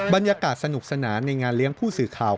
บรรยากาศสนุกสนานในงานเลี้ยงผู้สื่อข่าว